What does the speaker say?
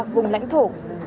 vùng lãnh thổ